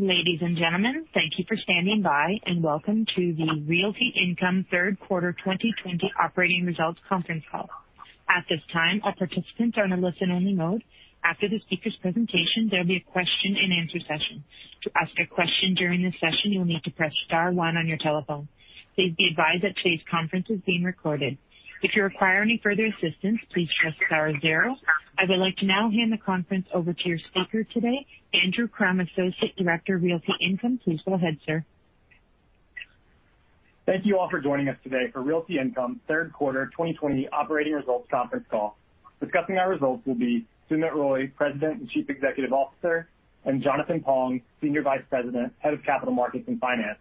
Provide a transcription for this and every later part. Ladies and gentlemen, thank you for standing by, and welcome to the Realty Income Third Quarter 2020 Operating Results Conference Call. At this time, all participants are in listen only mode. After this speaker's presentation, there'll be a question and answer session. To ask a question during the session, you'll need to press star one on your telephone. Please be advised that this conference is being recorded. If you require any further assistance, please press star zero. I would like to now hand the conference over to your speaker today, Andrew Crum, Associate Director of Realty Income. Please go ahead, sir. Thank you all for joining us today for Realty Income Third Quarter 2020 Operating Results Conference Call. Discussing our results will be Sumit Roy, President and Chief Executive Officer, and Jonathan Pong, Senior Vice President, Head of Capital Markets and Finance.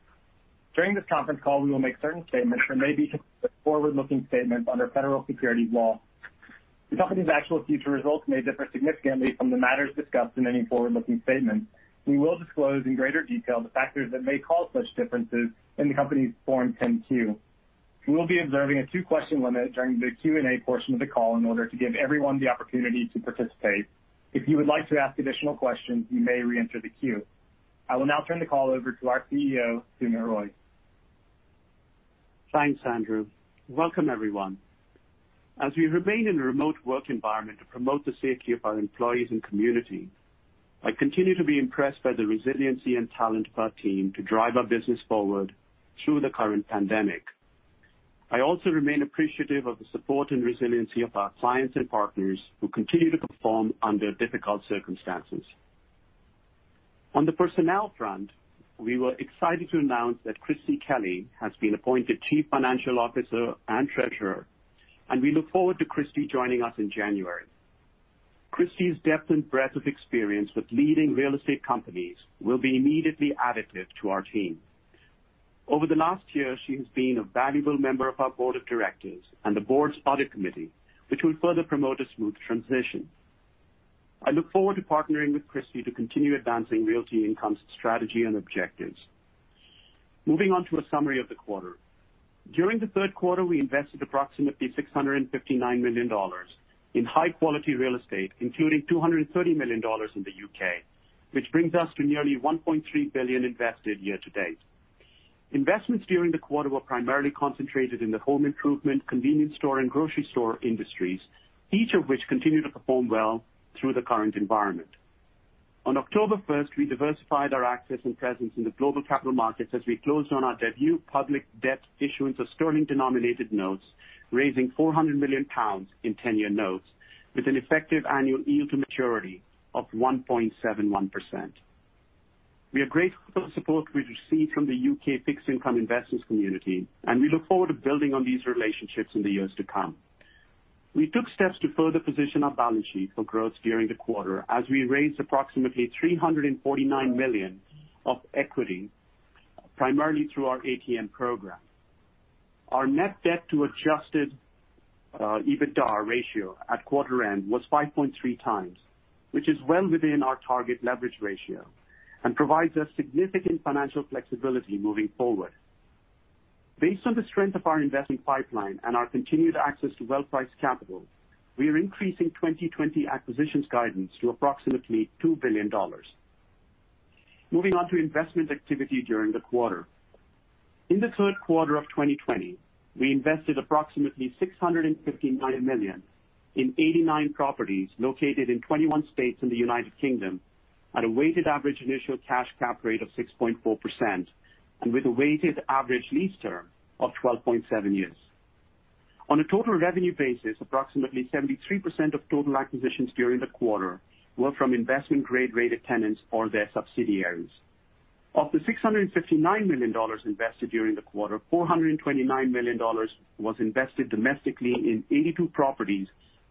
During this conference call, we will make certain statements that may be forward-looking statements under federal securities law. The company's actual future results may differ significantly from the matters discussed in any forward-looking statements. We will disclose in greater detail the factors that may cause such differences in the company's Form 10-Q. We will be observing a two-question limit during the Q&A portion of the call in order to give everyone the opportunity to participate. If you would like to ask additional questions, you may reenter the queue. I will now turn the call over to our CEO, Sumit Roy. Thanks, Andrew. Welcome, everyone. As we remain in a remote work environment to promote the safety of our employees and community, I continue to be impressed by the resiliency and talent of our team to drive our business forward through the current pandemic. I also remain appreciative of the support and resiliency of our clients and partners who continue to perform under difficult circumstances. On the personnel front, we were excited to announce that Christie Kelly has been appointed Chief Financial Officer and Treasurer, and we look forward to Christie joining us in January. Christie's depth and breadth of experience with leading real estate companies will be immediately additive to our team. Over the last year, she has been a valuable member of our board of directors and the board's audit committee, which will further promote a smooth transition. I look forward to partnering with Christie to continue advancing Realty Income's strategy and objectives. Moving on to a summary of the quarter. During the third quarter, we invested approximately $659 million in high-quality real estate, including $230 million in the U.K., which brings us to nearly $1.3 billion invested year to date. Investments during the quarter were primarily concentrated in the home improvement, convenience store, and grocery store industries, each of which continued to perform well through the current environment. On October 1st, we diversified our access and presence in the global capital markets as we closed on our debut public debt issuance of sterling-denominated notes, raising 400 million pounds in 10-year notes with an effective annual yield to maturity of 1.71%. We are grateful for the support we received from the U.K. fixed income investments community, and we look forward to building on these relationships in the years to come. We took steps to further position our balance sheet for growth during the quarter as we raised approximately $349 million of equity, primarily through our ATM program. Our net debt to adjusted EBITDA ratio at quarter end was 5.3x, which is well within our target leverage ratio and provides us significant financial flexibility moving forward. Based on the strength of our investment pipeline and our continued access to well-priced capital, we are increasing 2020 acquisitions guidance to approximately $2 billion. Moving on to investment activity during the quarter. In the third quarter of 2020, we invested approximately $659 million in 89 properties located in 21 states in the United Kingdom at a weighted average initial cash cap rate of 6.4% and with a weighted average lease term of 12.7 years. On a total revenue basis, approximately 73% of total acquisitions during the quarter were from investment-grade rated tenants or their subsidiaries. Of the $659 million invested during the quarter, $429 million was invested domestically in 82 properties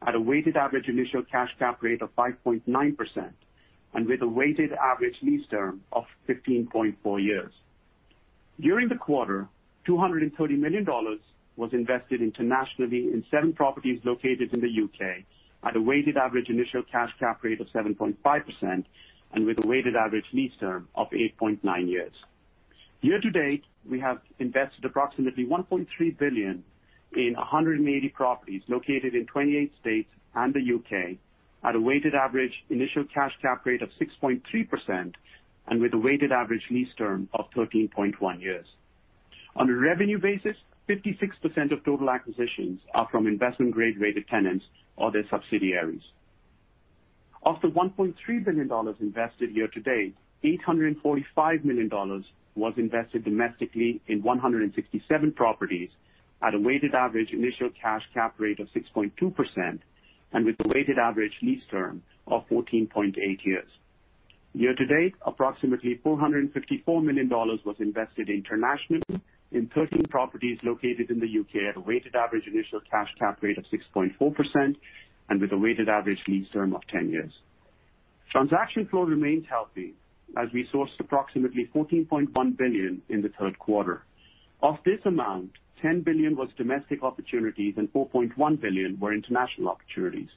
at a weighted average initial cash cap rate of 5.9% and with a weighted average lease term of 15.4 years. During the quarter, $230 million was invested internationally in seven properties located in the U.K. at a weighted average initial cash cap rate of 7.5% and with a weighted average lease term of 8.9 years. Year to date, we have invested approximately $1.3 billion in 180 properties located in 28 states and the U.K., at a weighted average initial cash cap rate of 6.3% and with a weighted average lease term of 13.1 years. On a revenue basis, 56% of total acquisitions are from investment-grade rated tenants or their subsidiaries. Of the $1.3 billion invested year to date, $845 million was invested domestically in 167 properties at a weighted average initial cash cap rate of 6.2% and with a weighted average lease term of 14.8 years. Year to date, approximately $454 million was invested internationally in 13 properties located in the U.K. at a weighted average initial cash cap rate of 6.4% and with a weighted average lease term of 10 years. Transaction flow remains healthy as we sourced approximately $14.1 billion in the third quarter. Of this amount, $10 billion was domestic opportunities and $4.1 billion were international opportunities.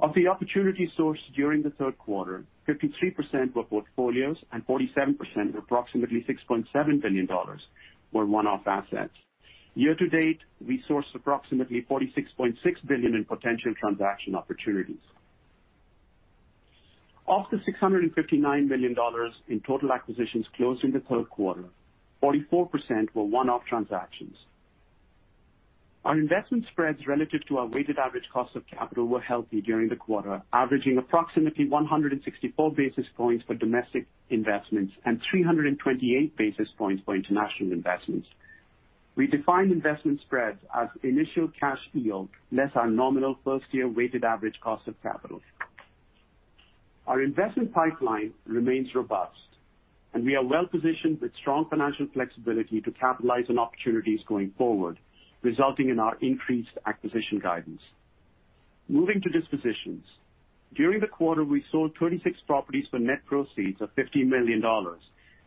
Of the opportunities sourced during the third quarter, 53% were portfolios and 47%, or approximately $6.7 billion, were one-off assets. Year to date, we sourced approximately $46.6 billion in potential transaction opportunities. Of the $659 million in total acquisitions closed in the third quarter, 44% were one-off transactions. Our investment spreads relative to our weighted average cost of capital were healthy during the quarter, averaging approximately 164 basis points for domestic investments and 328 basis points for international investments. We define investment spreads as initial cash yield less our nominal first-year weighted average cost of capital. Our investment pipeline remains robust, and we are well-positioned with strong financial flexibility to capitalize on opportunities going forward, resulting in our increased acquisition guidance. Moving to dispositions. During the quarter, we sold 26 properties for net proceeds of $50 million.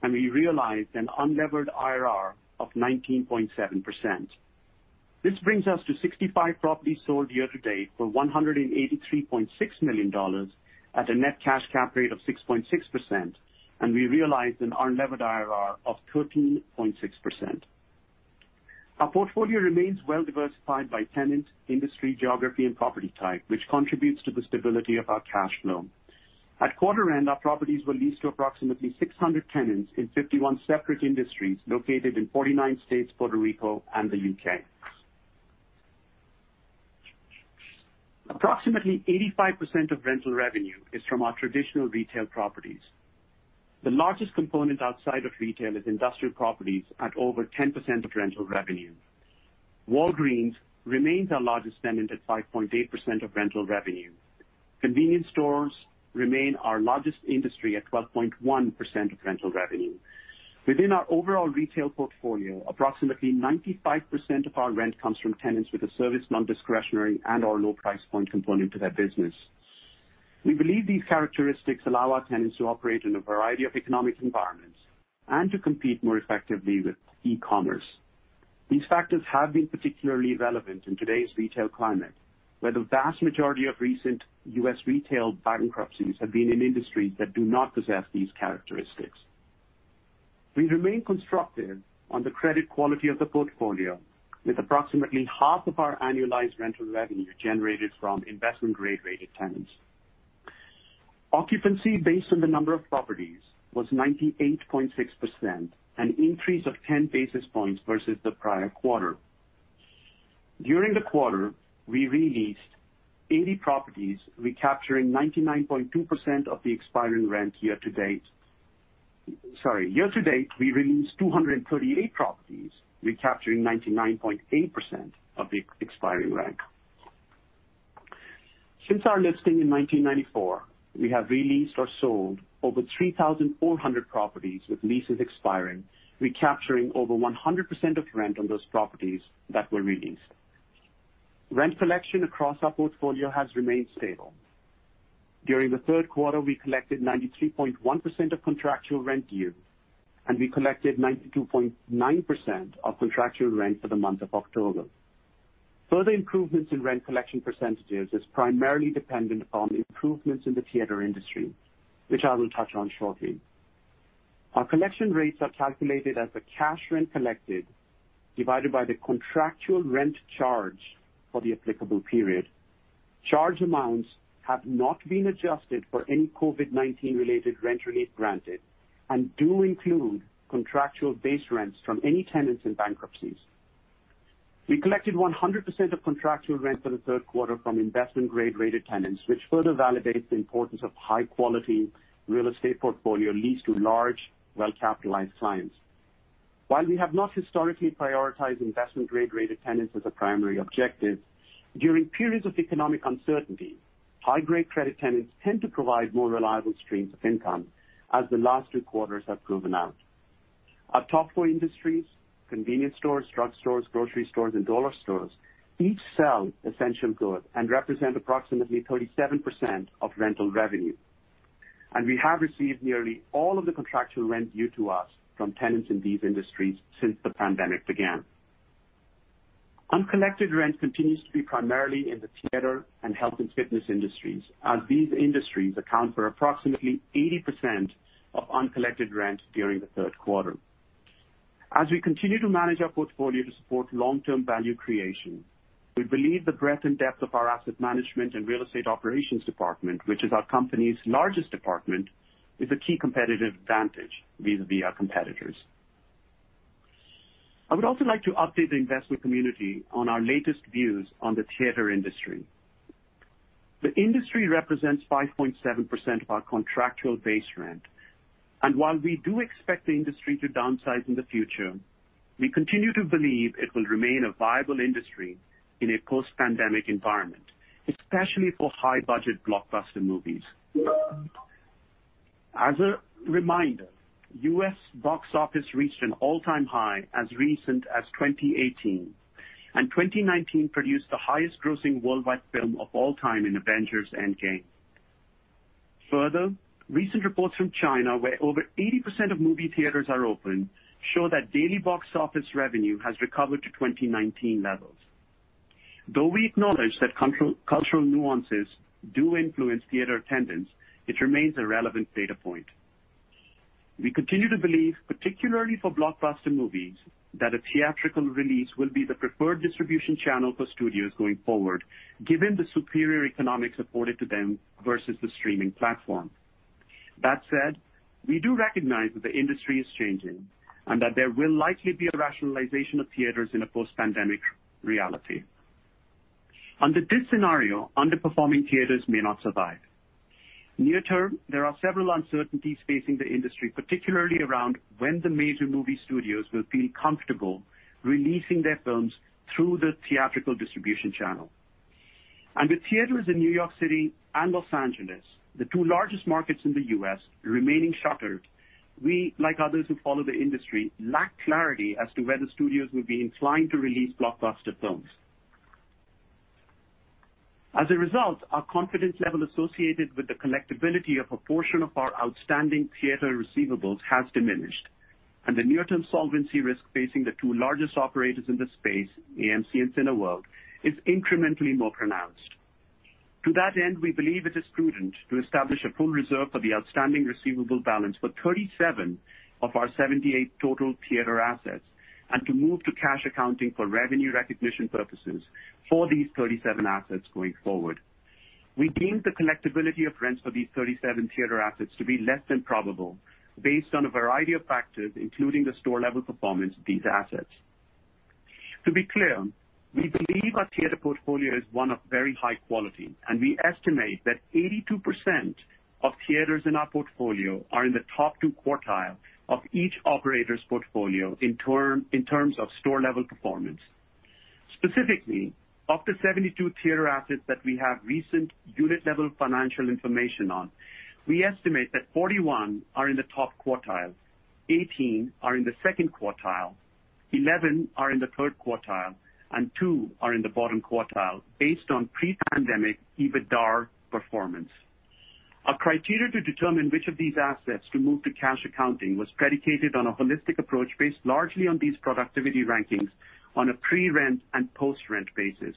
We realized an unlevered IRR of 19.7%. This brings us to 65 properties sold year to date for $183.6 million at a net cash cap rate of 6.6%. We realized an unlevered IRR of 13.6%. Our portfolio remains well-diversified by tenant, industry, geography, and property type, which contributes to the stability of our cash flow. At quarter end, our properties were leased to approximately 600 tenants in 51 separate industries located in 49 states, Puerto Rico, and the U.K. Approximately 85% of rental revenue is from our traditional retail properties. The largest component outside of retail is industrial properties at over 10% of rental revenue. Walgreens remains our largest tenant at 5.8% of rental revenue. Convenience stores remain our largest industry at 12.1% of rental revenue. Within our overall retail portfolio, approximately 95% of our rent comes from tenants with a service non-discretionary and/or low price point component to their business. We believe these characteristics allow our tenants to operate in a variety of economic environments and to compete more effectively with e-commerce. These factors have been particularly relevant in today's retail climate, where the vast majority of recent U.S. retail bankruptcies have been in industries that do not possess these characteristics. We remain constructive on the credit quality of the portfolio, with approximately half of our annualized rental revenue generated from investment-grade rated tenants. Occupancy based on the number of properties was 98.6%, an increase of 10 basis points versus the prior quarter. During the quarter, we re-leased 80 properties, recapturing 99.2% of the expiring rent year to date. Sorry, year to date, we re-leased 238 properties, recapturing 99.8% of the expiring rent. Since our listing in 1994, we have re-leased or sold over 3,400 properties with leases expiring, recapturing over 100% of rent on those properties that were re-leased. Rent collection across our portfolio has remained stable. During the third quarter, we collected 93.1% of contractual rent due, and we collected 92.9% of contractual rent for the month of October. Further improvements in rent collection percentages is primarily dependent on improvements in the theater industry, which I will touch on shortly. Our collection rates are calculated as the cash rent collected divided by the contractual rent charged for the applicable period. Charge amounts have not been adjusted for any COVID-19 related rent relief granted and do include contractual base rents from any tenants in bankruptcies. We collected 100% of contractual rent for the third quarter from investment-grade rated tenants, which further validates the importance of high-quality real estate portfolio leased to large, well-capitalized clients. While we have not historically prioritized investment-grade rated tenants as a primary objective, during periods of economic uncertainty, high-grade credit tenants tend to provide more reliable streams of income, as the last two quarters have proven out. Our top four industries, convenience stores, drug stores, grocery stores, and dollar stores, each sell essential goods and represent approximately 37% of rental revenue. We have received nearly all of the contractual rent due to us from tenants in these industries since the pandemic began. Uncollected rent continues to be primarily in the theater and health and fitness industries, as these industries account for approximately 80% of uncollected rent during the third quarter. As we continue to manage our portfolio to support long-term value creation, we believe the breadth and depth of our asset management and real estate operations department, which is our company's largest department, is a key competitive advantage vis-a-vis our competitors. I would also like to update the investment community on our latest views on the theater industry. The industry represents 5.7% of our contractual base rent, and while we do expect the industry to downsize in the future, we continue to believe it will remain a viable industry in a post-pandemic environment, especially for high-budget blockbuster movies. As a reminder, U.S. box office reached an all-time high as recent as 2018, and 2019 produced the highest grossing worldwide film of all time in Avengers: Endgame. Further, recent reports from China, where over 80% of movie theaters are open, show that daily box office revenue has recovered to 2019 levels. Though we acknowledge that cultural nuances do influence theater attendance, it remains a relevant data point. We continue to believe, particularly for blockbuster movies, that a theatrical release will be the preferred distribution channel for studios going forward, given the superior economics afforded to them versus the streaming platform. That said, we do recognize that the industry is changing, and that there will likely be a rationalization of theaters in a post-pandemic reality. Under this scenario, underperforming theaters may not survive. Near term, there are several uncertainties facing the industry, particularly around when the major movie studios will feel comfortable releasing their films through the theatrical distribution channel. With theaters in New York City and Los Angeles, the two largest markets in the U.S., remaining shuttered, we, like others who follow the industry, lack clarity as to whether studios will be inclined to release blockbuster films. As a result, our confidence level associated with the collectability of a portion of our outstanding theater receivables has diminished, and the near-term solvency risk facing the two largest operators in this space, AMC and Cineworld, is incrementally more pronounced. To that end, we believe it is prudent to establish a full reserve for the outstanding receivable balance for 37 of our 78 total theater assets, and to move to cash accounting for revenue recognition purposes for these 37 assets going forward. We deemed the collectability of rents for these 37 theater assets to be less than probable based on a variety of factors, including the store-level performance of these assets. To be clear, we believe our theater portfolio is one of very high quality, and we estimate that 82% of theaters in our portfolio are in the top two quartiles of each operator's portfolio in terms of store-level performance. Specifically, of the 72 theater assets that we have recent unit-level financial information on, we estimate that 41 are in the top quartile, 18 are in the second quartile, 11 are in the third quartile, and two are in the bottom quartile, based on pre-pandemic EBITDA performance. Our criteria to determine which of these assets to move to cash accounting was predicated on a holistic approach based largely on these productivity rankings on a pre-rent and post-rent basis.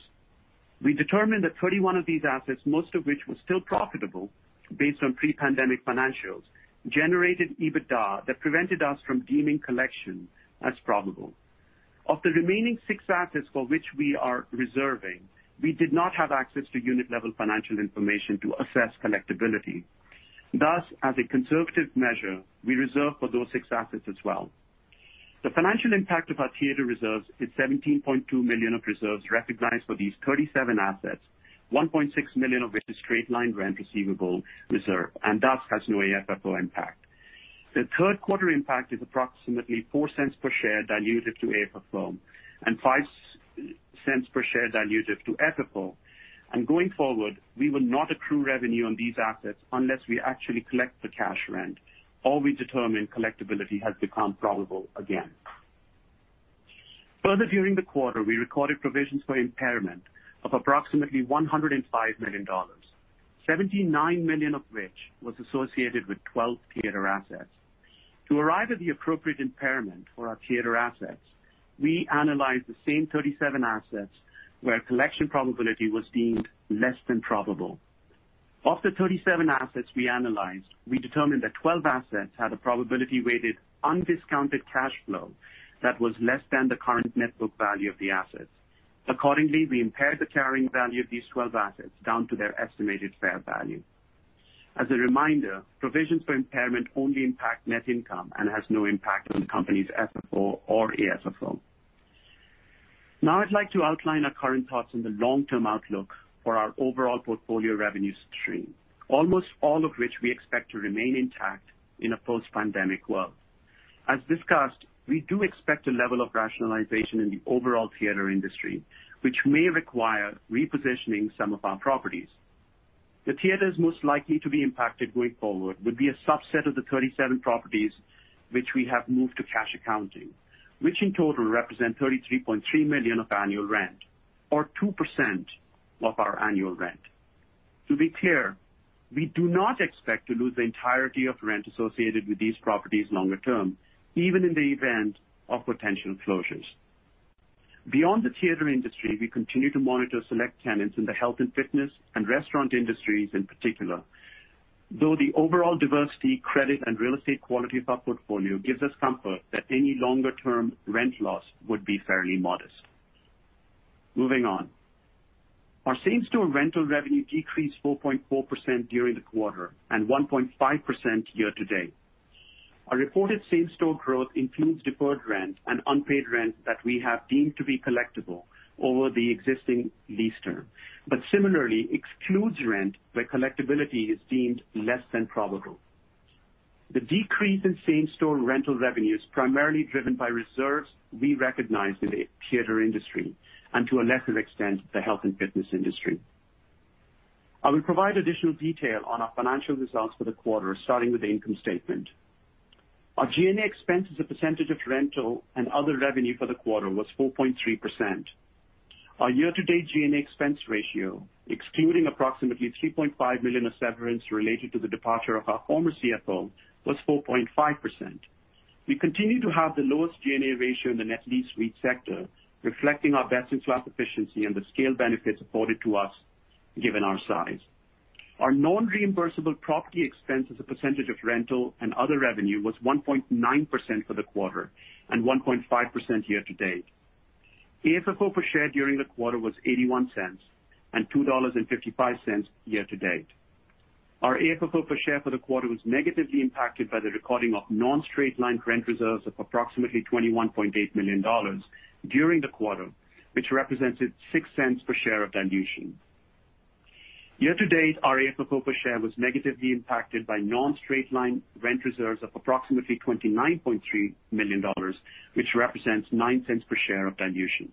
We determined that 31 of these assets, most of which were still profitable based on pre-pandemic financials, generated EBITDA that prevented us from deeming collection as probable. Of the remaining six assets for which we are reserving, we did not have access to unit-level financial information to assess collectability. Thus, as a conservative measure, we reserved for those six assets as well. The financial impact of our theater reserves is $17.2 million of reserves recognized for these 37 assets, $1.6 million of which is straight-line rent receivable reserve, thus has no AFFO impact. The third quarter impact is approximately $0.04 per share dilutive to AFFO and $0.05 per share dilutive to FFO. Going forward, we will not accrue revenue on these assets unless we actually collect the cash rent or we determine collectability has become probable again. Further, during the quarter, we recorded provisions for impairment of approximately $105 million, $79 million of which was associated with 12 theater assets. To arrive at the appropriate impairment for our theater assets, we analyzed the same 37 assets where collection probability was deemed less than probable. Of the 37 assets we analyzed, we determined that 12 assets had a probability weighted undiscounted cash flow that was less than the current net book value of the asset. Accordingly, we impaired the carrying value of these 12 assets down to their estimated fair value. As a reminder, provisions for impairment only impact net income and has no impact on the company's FFO or AFFO. Now I'd like to outline our current thoughts on the long-term outlook for our overall portfolio revenue stream, almost all of which we expect to remain intact in a post-pandemic world. As discussed, we do expect a level of rationalization in the overall theater industry, which may require repositioning some of our properties. The theaters most likely to be impacted going forward would be a subset of the 37 properties which we have moved to cash accounting, which in total represent $33.3 million of annual rent, or 2% of our annual rent. To be clear, we do not expect to lose the entirety of rent associated with these properties longer term, even in the event of potential closures. Beyond the theater industry, we continue to monitor select tenants in the health and fitness and restaurant industries in particular. Though the overall diversity, credit, and real estate quality of our portfolio gives us comfort that any longer-term rent loss would be fairly modest. Moving on. Our same-store rental revenue decreased 4.4% during the quarter and 1.5% year to date. Our reported same-store growth includes deferred rent and unpaid rent that we have deemed to be collectible over the existing lease term, but similarly excludes rent where collectability is deemed less than probable. The decrease in same-store rental revenue is primarily driven by reserves we recognize in the theater industry, and to a lesser extent, the health and fitness industry. I will provide additional detail on our financial results for the quarter, starting with the income statement. Our G&A expense as a percentage of rental and other revenue for the quarter was 4.3%. Our year-to-date G&A expense ratio, excluding approximately $3.5 million of severance related to the departure of our former CFO, was 4.5%. We continue to have the lowest G&A ratio in the net lease REIT sector, reflecting our best-in-class efficiency and the scale benefits afforded to us given our size. Our non-reimbursable property expense as a percentage of rental and other revenue was 1.9% for the quarter and 1.5% year-to-date. AFFO per share during the quarter was $0.81 and $2.55 year-to-date. Our AFFO per share for the quarter was negatively impacted by the recording of non-straight line rent reserves of approximately $21.8 million during the quarter, which represented $0.06 per share of dilution. Year-to-date, our AFFO per share was negatively impacted by non-straight line rent reserves of approximately $29.3 million, which represents $0.09 per share of dilution.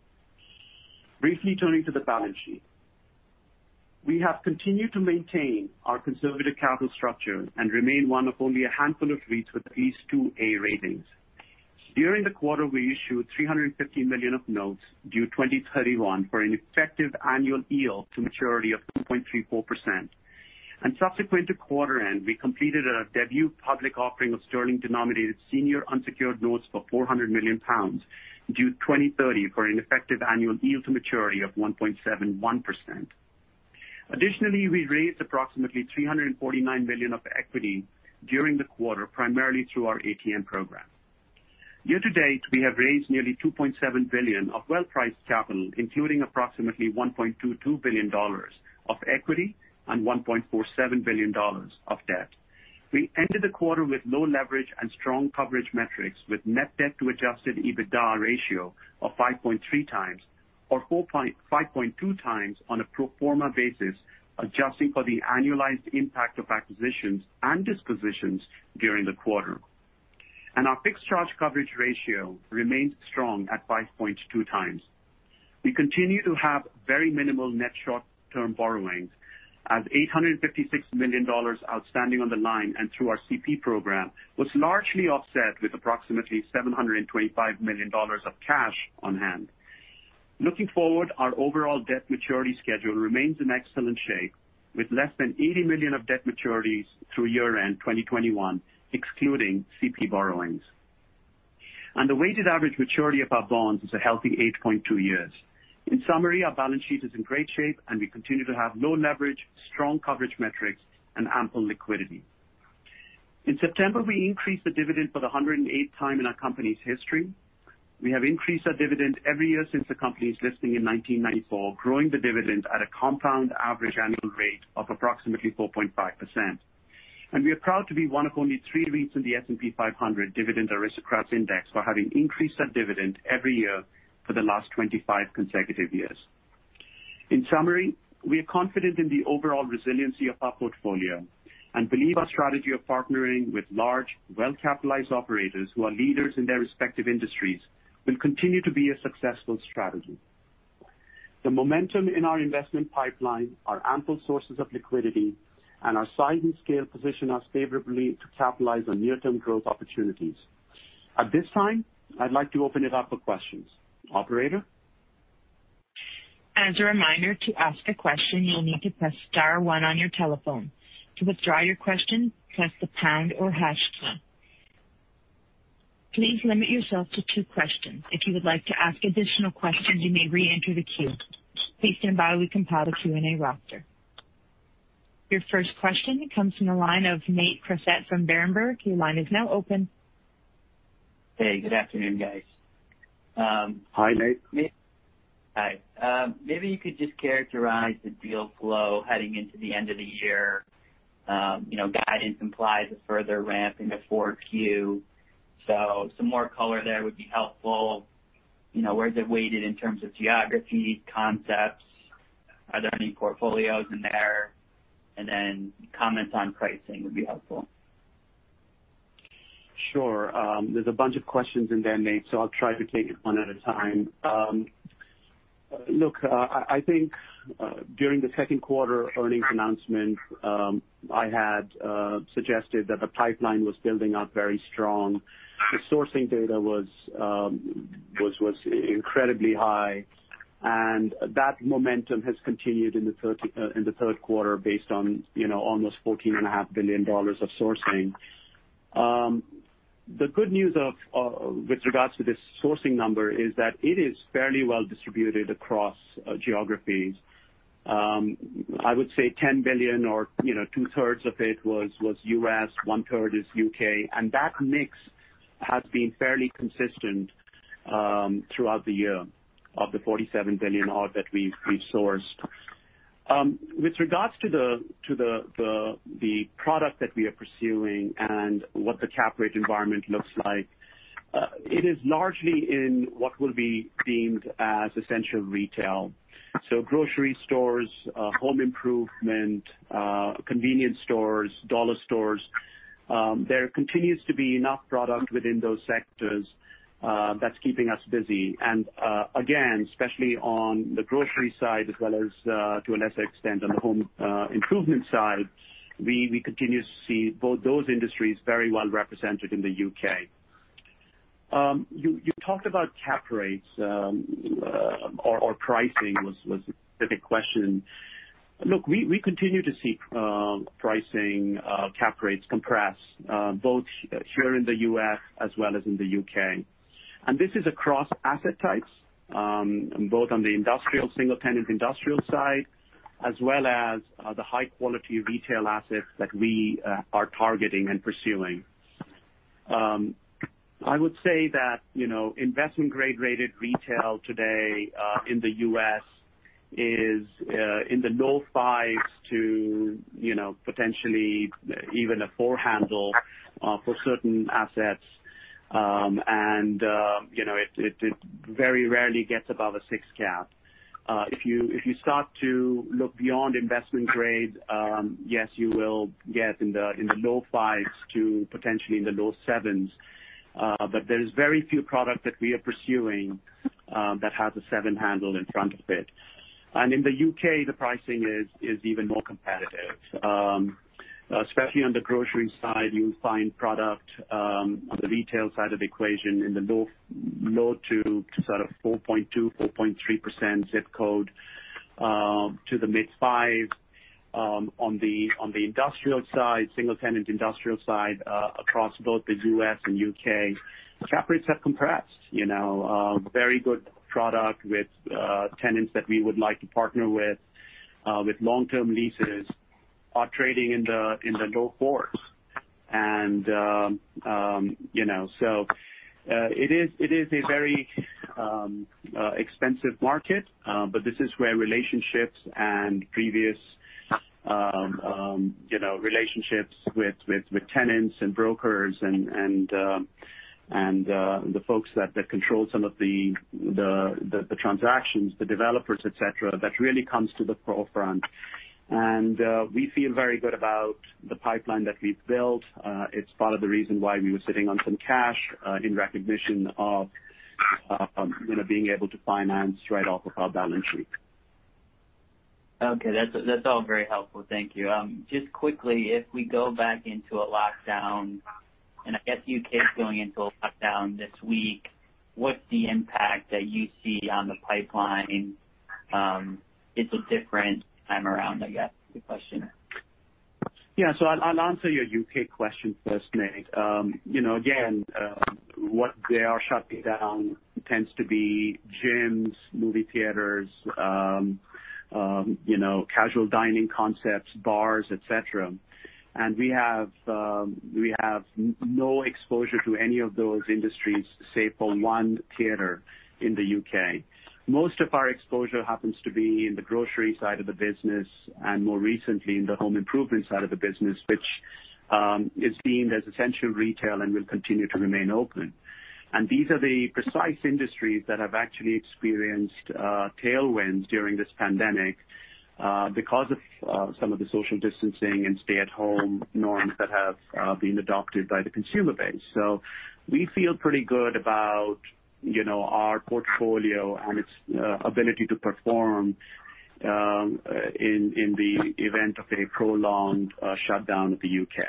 Briefly turning to the balance sheet. We have continued to maintain our conservative capital structure and remain one of only a handful of REITs with these two A ratings. During the quarter, we issued $315 million of notes due 2031 for an effective annual yield to maturity of 2.34%. Subsequent to quarter end, we completed a debut public offering of sterling-denominated senior unsecured notes for 400 million pounds due 2030 for an effective annual yield to maturity of 1.71%. Additionally, we raised approximately $349 million of equity during the quarter, primarily through our ATM program. Year-to-date, we have raised nearly $2.7 billion of well-priced capital, including approximately $1.22 billion of equity and $1.47 billion of debt. We ended the quarter with low leverage and strong coverage metrics with net debt to adjusted EBITDA ratio of 5.3x or 5.2x on a pro forma basis, adjusting for the annualized impact of acquisitions and dispositions during the quarter. Our fixed charge coverage ratio remains strong at 5.2x. We continue to have very minimal net short-term borrowings as $856 million outstanding on the line and through our CP program was largely offset with approximately $725 million of cash on hand. Looking forward, our overall debt maturity schedule remains in excellent shape with less than $80 million of debt maturities through year-end 2021, excluding CP borrowings. The weighted average maturity of our bonds is a healthy 8.2 years. In summary, our balance sheet is in great shape, and we continue to have low leverage, strong coverage metrics, and ample liquidity. In September, we increased the dividend for the 108th time in our company's history. We have increased our dividend every year since the company's listing in 1994, growing the dividend at a compound average annual rate of approximately 4.5%. We are proud to be one of only three REITs in the S&P 500 Dividend Aristocrats Index for having increased our dividend every year for the last 25 consecutive years. In summary, we are confident in the overall resiliency of our portfolio and believe our strategy of partnering with large, well-capitalized operators who are leaders in their respective industries will continue to be a successful strategy. The momentum in our investment pipeline are ample sources of liquidity, and our size and scale position us favorably to capitalize on near-term growth opportunities. At this time, I'd like to open it up for questions. Operator? As a reminder, to ask a question, you'll need to press star one on your telephone. To withdraw your question, press the pound or hash sign. Please limit yourself to two questions. If you would like to ask additional questions, you may reenter the queue. Please stand by. We compiled a Q&A roster. Your first question comes from the line of Nate Crossett from Berenberg. Your line is now open. Hey, good afternoon, guys. Hi, Nate. Hi. Maybe you could just characterize the deal flow heading into the end of the year. Guidance implies a further ramp into 4Q. Some more color there would be helpful. Where is it weighted in terms of geography, concepts? Are there any portfolios in there? Comments on pricing would be helpful. Sure. There's a bunch of questions in there, Nate, I'll try to take it one at a time. Look, I think during the second quarter earnings announcement, I had suggested that the pipeline was building up very strong. The sourcing data was incredibly high, that momentum has continued in the third quarter based on almost $14.5 billion of sourcing. The good news with regards to this sourcing number is that it is fairly well distributed across geographies. I would say $10 billion or 2/3 of it was U.S., 1/3 is U.K., and that mix has been fairly consistent throughout the year of the $47 billion odd that we've sourced. With regards to the product that we are pursuing and what the cap rate environment looks like, it is largely in what will be deemed as essential retail. Grocery stores, home improvement, convenience stores, dollar stores. There continues to be enough product within those sectors that's keeping us busy. Again, especially on the grocery side as well as to a lesser extent on the home improvement side, we continue to see both those industries very well represented in the U.K. You talked about cap rates, or pricing was the specific question. We continue to see pricing cap rates compress, both here in the U.S. as well as in the U.K. This is across asset types, both on the single-tenant industrial side as well as the high-quality retail assets that we are targeting and pursuing. I would say that investment grade rated retail today in the U.S. is in the low 5% to potentially even a 4% handle for certain assets. It very rarely gets above a 6% cap. If you start to look beyond investment grade, yes, you will get in the low 5% to potentially in the low 7%. There's very few product that we are pursuing that has a 7% handle in front of it. In the U.K., the pricing is even more competitive. Especially on the grocery side, you will find product on the retail side of the equation in the low 2% to sort of 4.2%, 4.3% ZIP code to the mid 5%. On the industrial side, single tenant industrial side, across both the U.S. and U.K., cap rates have compressed. Very good product with tenants that we would like to partner with long-term leases are trading in the low fours. It is a very expensive market, but this is where relationships and previous relationships with tenants and brokers and the folks that control some of the transactions, the developers, et cetera, that really comes to the forefront. We feel very good about the pipeline that we've built. It's part of the reason why we were sitting on some cash, in recognition of being able to finance right off of our balance sheet. Okay. That's all very helpful. Thank you. Just quickly, if we go back into a lockdown, I guess U.K. is going into a lockdown this week, what's the impact that you see on the pipeline if a different time around, I guess, is the question? Yeah. I'll answer your U.K. question first, Nate. Again, what they are shutting down tends to be gyms, movie theaters, casual dining concepts, bars, et cetera. We have no exposure to any of those industries, save for one theater in the U.K. Most of our exposure happens to be in the grocery side of the business, and more recently in the home improvement side of the business, which is deemed as essential retail and will continue to remain open. These are the precise industries that have actually experienced tailwinds during this pandemic because of some of the social distancing and stay-at-home norms that have been adopted by the consumer base. We feel pretty good about our portfolio and its ability to perform in the event of a prolonged shutdown of the U.K.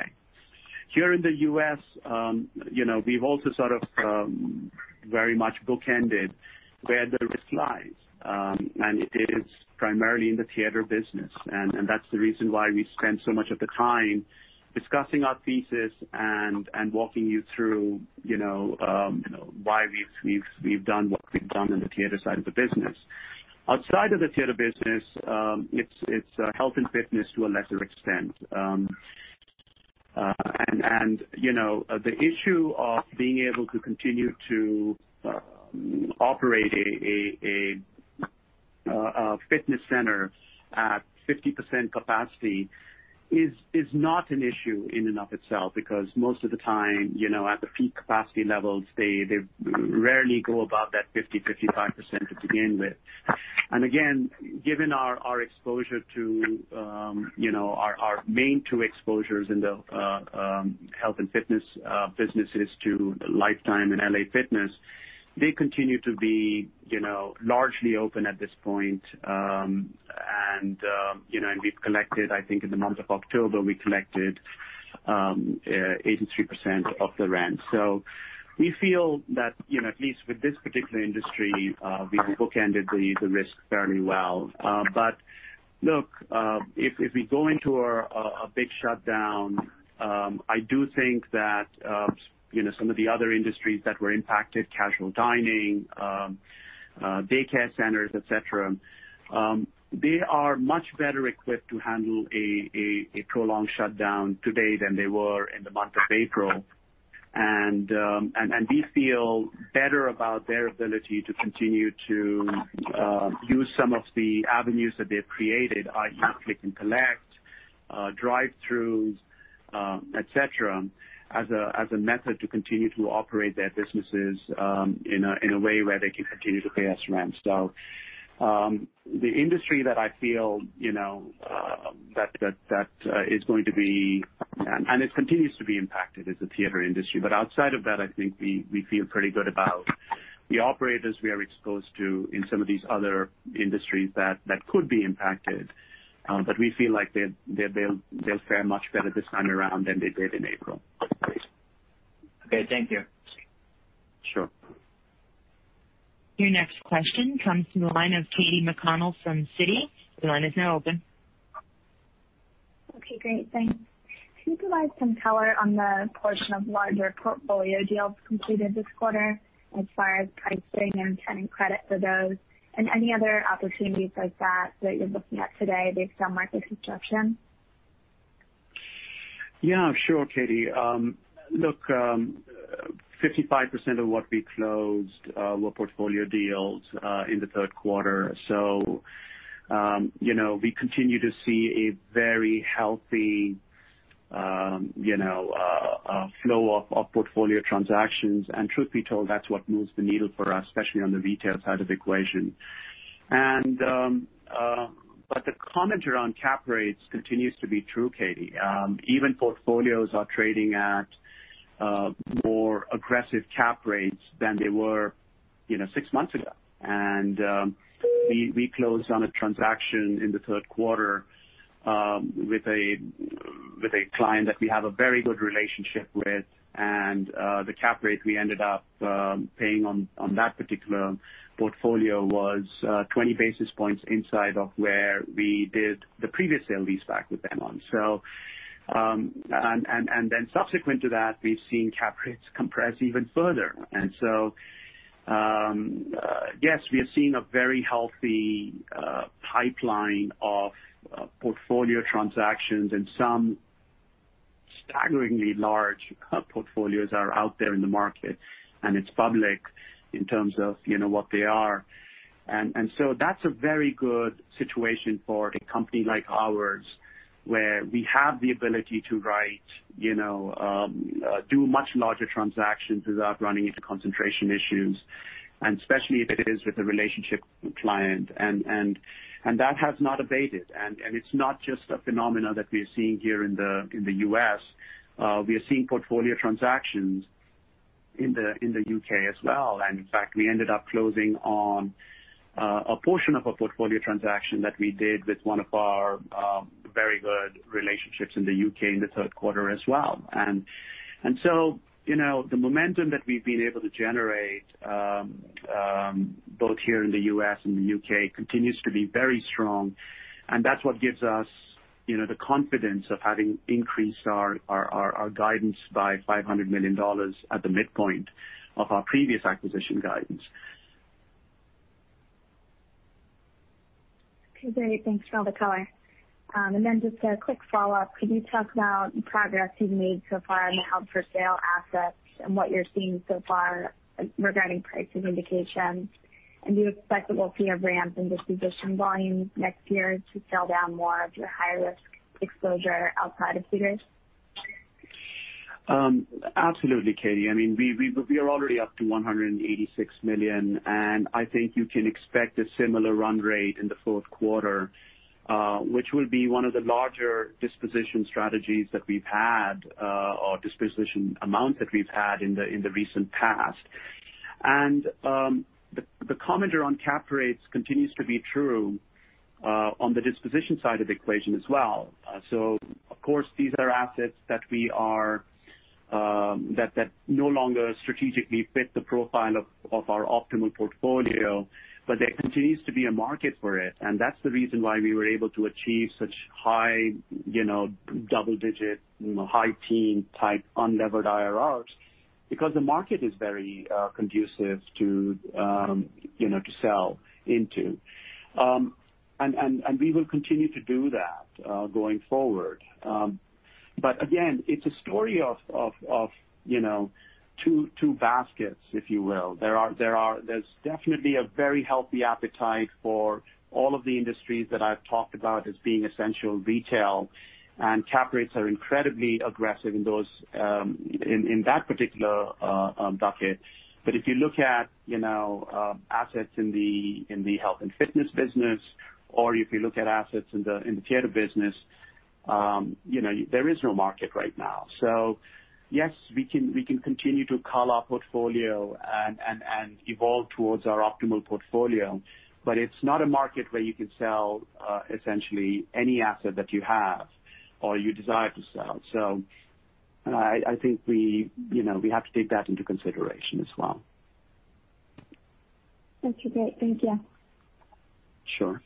Here in the U.S., we've also sort of very much bookended where the risk lies. It is primarily in the theater business. That's the reason why we spend so much of the time discussing our thesis and walking you through why we've done what we've done in the theater side of the business. Outside of the theater business, it's health and fitness to a lesser extent. The issue of being able to continue to operate a fitness center at 50% capacity is not an issue in and of itself because most of the time, at the peak capacity levels, they rarely go above that 50%, 55% to begin with. Again, given our main two exposures in the health and fitness businesses to Life Time and LA Fitness, they continue to be largely open at this point. We've collected, I think in the month of October, we collected 83% of the rent. We feel that at least with this particular industry, we have bookended the risk fairly well. Look, if we go into a big shutdown, I do think that some of the other industries that were impacted, casual dining, daycare centers, et cetera, they are much better equipped to handle a prolonged shutdown today than they were in the month of April. We feel better about their ability to continue to use some of the avenues that they've created, i.e., click and collect, drive-throughs, et cetera, as a method to continue to operate their businesses in a way where they can continue to pay us rent. The industry that I feel that is going to be, and it continues to be impacted, is the theater industry. Outside of that, I think we feel pretty good about the operators we are exposed to in some of these other industries that could be impacted. We feel like they'll fare much better this time around than they did in April. Okay. Thank you. Sure. Your next question comes from the line of Katy McConnell from Citi. Your line is now open. Okay, great. Thanks. Can you provide some color on the portion of larger portfolio deals completed this quarter as far as pricing and tenant credit for those, and any other opportunities like that you're looking at today based on market disruption? Yeah, sure, Katy. Look, 55% of what we closed were portfolio deals in the third quarter. We continue to see a very healthy flow of portfolio transactions. Truth be told, that's what moves the needle for us, especially on the retail side of the equation. The comment around cap rates continues to be true, Katy. Even portfolios are trading at more aggressive cap rates than they were six months ago. We closed on a transaction in the third quarter with a client that we have a very good relationship with. The cap rate we ended up paying on that particular portfolio was 20 basis points inside of where we did the previous sale-leaseback with them on. Then subsequent to that, we've seen cap rates compress even further. Yes, we are seeing a very healthy pipeline of portfolio transactions and some staggeringly large portfolios are out there in the market, and it's public in terms of what they are. That's a very good situation for a company like ours, where we have the ability to do much larger transactions without running into concentration issues, and especially if it is with a relationship client. That has not abated. It's not just a phenomenon that we are seeing here in the U.S. We are seeing portfolio transactions in the U.K. as well. In fact, we ended up closing on a portion of a portfolio transaction that we did with one of our very good relationships in the U.K. in the third quarter as well. The momentum that we've been able to generate, both here in the U.S. and the U.K., continues to be very strong. That's what gives us the confidence of having increased our guidance by $500 million at the midpoint of our previous acquisition guidance. Okay, great. Thanks for all the color. Just a quick follow-up. Could you talk about progress you've made so far in the held for sale assets and what you're seeing so far regarding pricing indications? Do you expect that we'll see a ramp in disposition volume next year to sell down more of your high-risk exposure outside of theaters? Absolutely, Katy. We are already up to $186 million, I think you can expect a similar run rate in the fourth quarter, which will be one of the larger disposition strategies that we've had, or disposition amount that we've had in the recent past. The comment around cap rates continues to be true on the disposition side of the equation as well. Of course, these are assets that no longer strategically fit the profile of our optimal portfolio, but there continues to be a market for it. That's the reason why we were able to achieve such high double-digit, high teen type unlevered IRRs, because the market is very conducive to sell into. We will continue to do that going forward. Again, it's a story of two baskets, if you will. There's definitely a very healthy appetite for all of the industries that I've talked about as being essential retail, and cap rates are incredibly aggressive in that particular bucket. If you look at assets in the health and fitness business, or if you look at assets in the theater business there is no market right now. Yes, we can continue to cull our portfolio and evolve towards our optimal portfolio, but it's not a market where you can sell essentially any asset that you have or you desire to sell. I think we have to take that into consideration as well. That's okay. Thank you. Sure.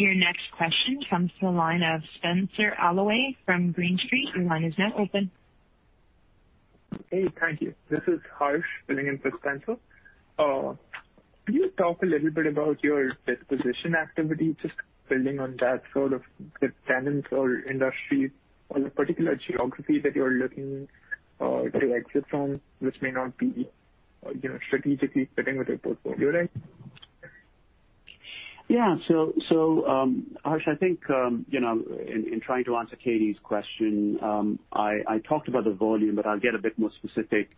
Your next question comes from the line of Spenser Allaway from Green Street. Your line is now open. Hey, thank you. This is Harsh filling in for Spenser. Can you talk a little bit about your disposition activity, just building on that, sort of the tenants or industries or the particular geographies that you're looking to exit from which may not be strategically fitting with your portfolio right? Harsh, I think in trying to answer Katy's question, I talked about the volume, but I'll get a bit more specific.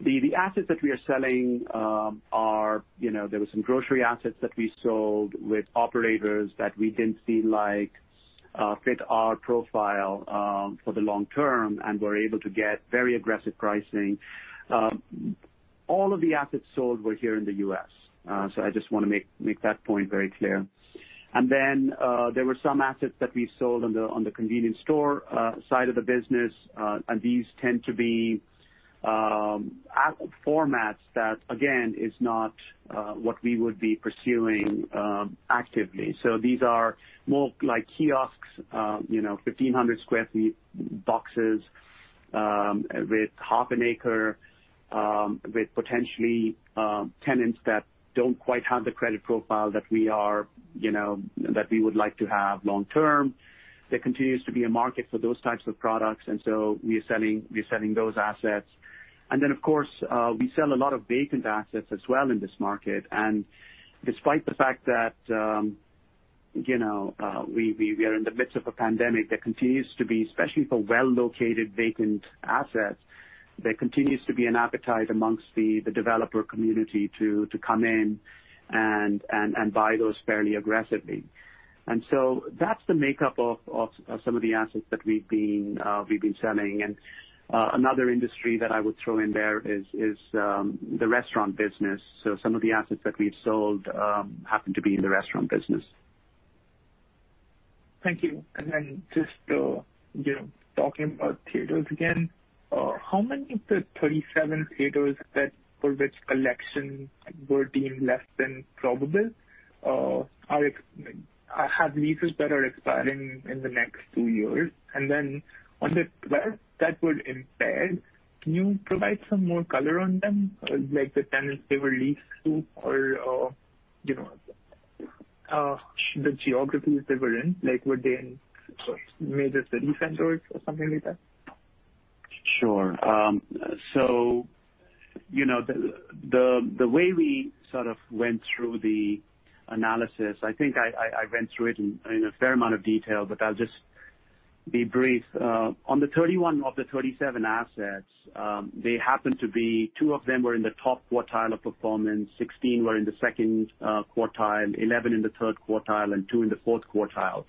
The assets that we are selling, there were some grocery assets that we sold with operators that we didn't feel like fit our profile for the long term and we're able to get very aggressive pricing. All of the assets sold were here in the U.S. I just want to make that point very clear. There were some assets that we sold on the convenience store side of the business. These tend to be formats that, again, is not what we would be pursuing actively. These are more like kiosks, 1,500 sq ft boxes, with half an acre, with potentially tenants that don't quite have the credit profile that we would like to have long term. There continues to be a market for those types of products. We are selling those assets. Of course, we sell a lot of vacant assets as well in this market. Despite the fact that we are in the midst of a pandemic, there continues to be, especially for well-located, vacant assets, there continues to be an appetite amongst the developer community to come in and buy those fairly aggressively. That's the makeup of some of the assets that we've been selling. Another industry that I would throw in there is the restaurant business. Some of the assets that we've sold happen to be in the restaurant business. Thank you. Just talking about theaters again, how many of the 37 theaters that for which collection were deemed less than probable have leases that are expiring in the next two years? On the 12 that were impaired, can you provide some more color on them? Like the tenants they were leased to or the geographies they were in? Like were they in major city centers or something like that? Sure. The way we sort of went through the analysis, I think I went through it in a fair amount of detail, but I'll just be brief. On the 31 of the 37 assets, they happen to be two of them were in the top quartile of performance, 16 were in the second quartile, 11 in the third quartile, and two in the fourth quartile.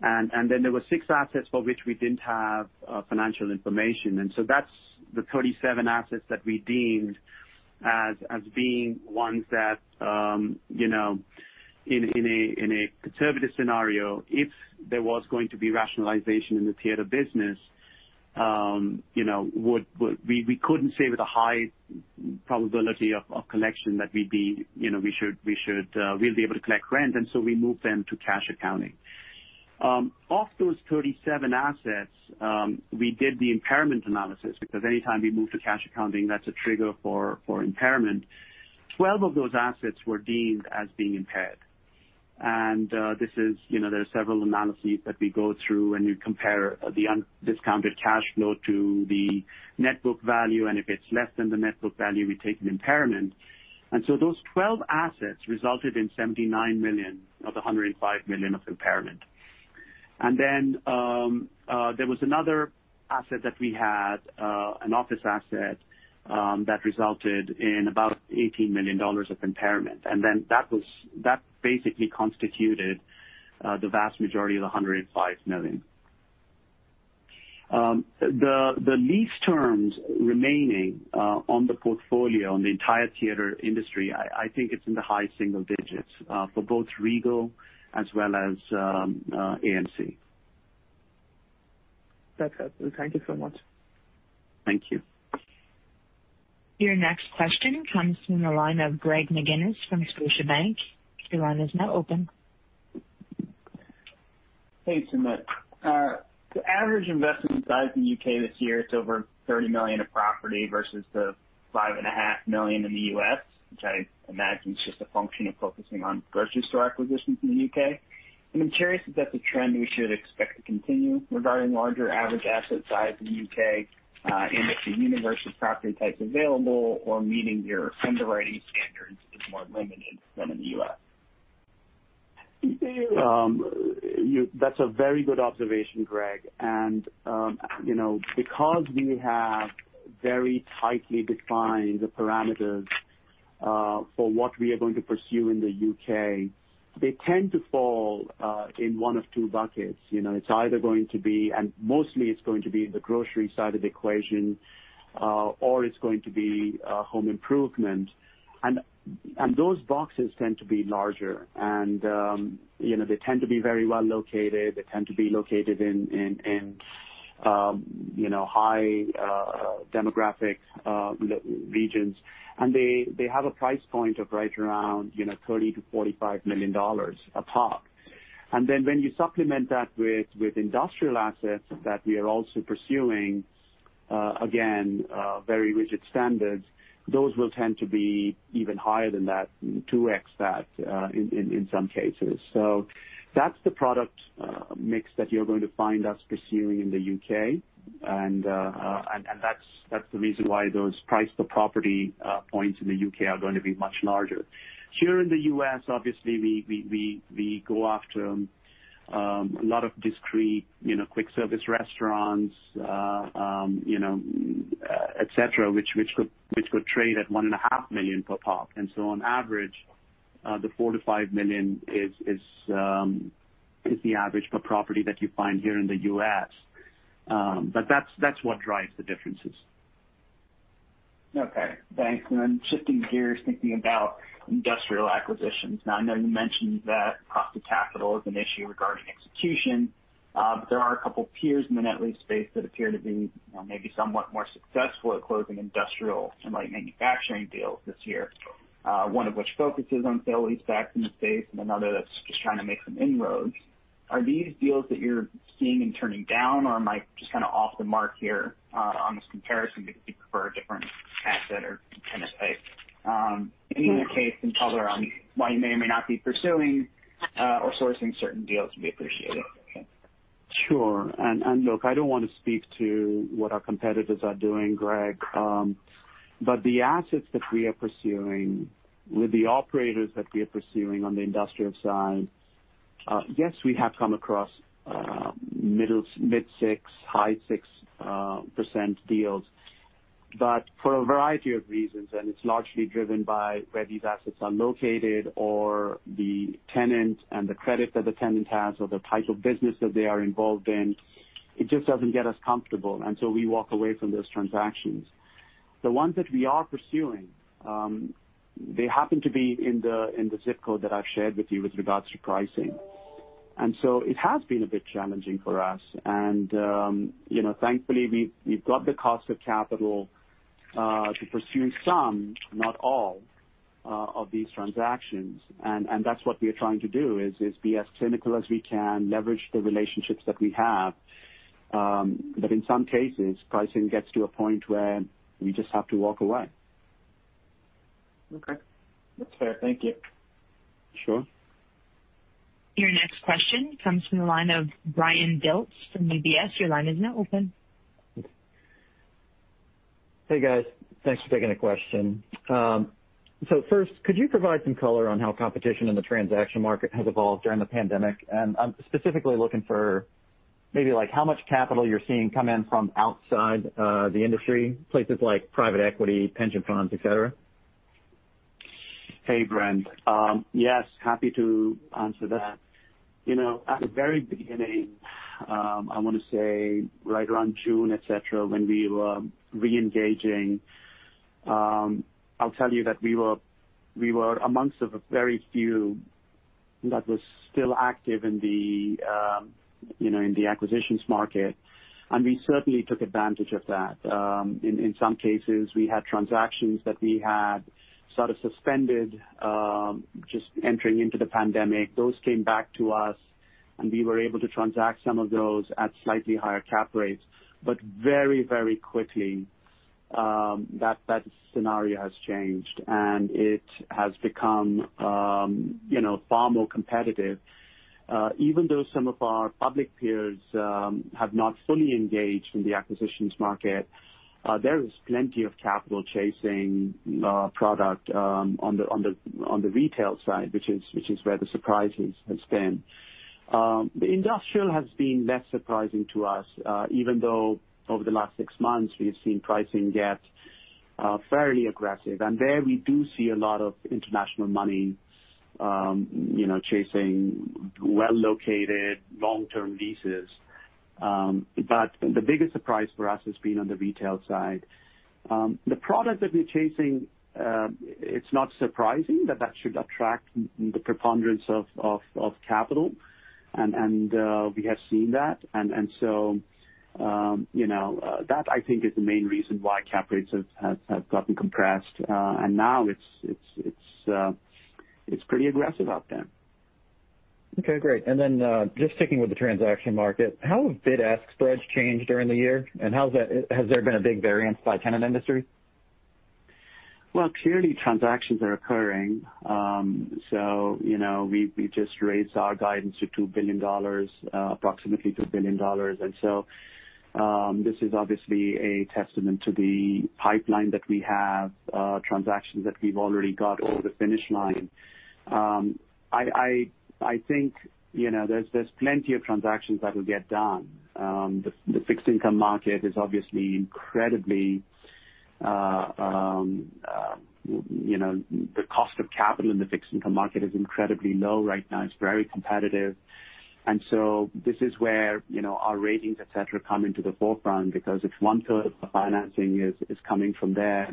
Then there were six assets for which we didn't have financial information. That's the 37 assets that we deemed as being ones that in a conservative scenario, if there was going to be rationalization in the theater business, we couldn't say with a high probability of collection that we'll be able to collect rent. We moved them to cash accounting. Of those 37 assets, we did the impairment analysis because anytime we move to cash accounting, that's a trigger for impairment. 12 of those assets were deemed as being impaired. There are several analyses that we go through when we compare the undiscounted cash flow to the net book value, and if it's less than the net book value, we take an impairment. Those 12 assets resulted in $79 million of the $105 million of impairment. There was another asset that we had, an office asset, that resulted in about $18 million of impairment. That basically constituted the vast majority of the $105 million. The lease terms remaining on the portfolio on the entire theater industry, I think it's in the high single digits for both Regal as well as AMC. That's helpful. Thank you so much. Thank you. Your next question comes from the line of Greg McGinniss from Scotiabank. Your line is now open. Hey, Sumit. The average investment size in the U.K. this year, it's over $30 million of property versus the $5.5 million in the U.S., which I imagine is just a function of focusing on grocery store acquisitions in the U.K. I'm curious if that's a trend we should expect to continue regarding larger average asset size in the U.K., and if the universe of property types available or meeting your underwriting standards is more limited than in the U.S. That's a very good observation, Greg. Because we have very tightly defined the parameters for what we are going to pursue in the U.K., they tend to fall in one of two buckets. Mostly it's going to be the grocery side of the equation, or it's going to be home improvement. Those boxes tend to be larger and they tend to be very well located. They tend to be located in high demographic regions. They have a price point of right around $30 million-$45 million a pop. When you supplement that with industrial assets that we are also pursuing, again, very rigid standards, those will tend to be even higher than that, two times that in some cases. That's the product mix that you're going to find us pursuing in the U.K. That's the reason why those price per property points in the U.K. are going to be much larger. Here in the U.S., obviously, we go after a lot of discrete quick service restaurants et cetera, which could trade at $1.5 million per pop. On average, the $4 million-$5 million is the average per property that you find here in the U.S. That's what drives the differences. Okay, thanks. Shifting gears, thinking about industrial acquisitions. I know you mentioned that cost of capital is an issue regarding execution. There are a couple peers in the net lease space that appear to be maybe somewhat more successful at closing industrial and light manufacturing deals this year. One of which focuses on sale-leasebacks in the space, and another that's just trying to make some inroads. Are these deals that you're seeing and turning down, or am I just off the mark here on this comparison because you prefer different asset or tenant types? In either case, some color on why you may or may not be pursuing or sourcing certain deals would be appreciated. Thank you. Sure. Look, I don't want to speak to what our competitors are doing, Greg. The assets that we are pursuing with the operators that we are pursuing on the industrial side, yes, we have come across mid-6%, high 6% deals. For a variety of reasons, and it's largely driven by where these assets are located or the tenant and the credit that the tenant has or the type of business that they are involved in, it just doesn't get us comfortable, and so we walk away from those transactions. The ones that we are pursuing, they happen to be in the ZIP code that I've shared with you with regards to pricing. It has been a bit challenging for us. Thankfully, we've got the cost of capital to pursue some, not all, of these transactions. That's what we are trying to do, is be as cynical as we can, leverage the relationships that we have. In some cases, pricing gets to a point where we just have to walk away. Okay. That's fair. Thank you. Sure. Your next question comes from the line of Brent Dilts from UBS. Your line is now open. Hey, guys. Thanks for taking the question. First, could you provide some color on how competition in the transaction market has evolved during the pandemic? I'm specifically looking for maybe how much capital you're seeing come in from outside the industry, places like private equity, pension funds, et cetera. Hey, Brent. Yes, happy to answer that. At the very beginning, I want to say right around June, et cetera, when we were re-engaging, I'll tell you that we were amongst a very few that was still active in the acquisitions market, and we certainly took advantage of that. In some cases, we had transactions that we had sort of suspended just entering into the pandemic. Those came back to us, and we were able to transact some of those at slightly higher cap rates. Very quickly, that scenario has changed, and it has become far more competitive. Even though some of our public peers have not fully engaged in the acquisitions market, there is plenty of capital chasing product on the retail side, which is where the surprises have been. The industrial has been less surprising to us. Even though over the last six months, we've seen pricing get fairly aggressive. There we do see a lot of international money chasing well-located long-term leases. The biggest surprise for us has been on the retail side. The product that we're chasing, it's not surprising that that should attract the preponderance of capital, and we have seen that. That I think is the main reason why cap rates have gotten compressed. Now it's pretty aggressive out there. Okay, great. Then just sticking with the transaction market, how have bid-ask spreads changed during the year? Has there been a big variance by tenant industry? Well, clearly transactions are occurring. We just raised our guidance to approximately $2 billion. This is obviously a testament to the pipeline that we have, transactions that we've already got over the finish line. I think there's plenty of transactions that will get done. The cost of capital in the fixed income market is incredibly low right now. It's very competitive. This is where our ratings, et cetera, come into the forefront because if one third of the financing is coming from there,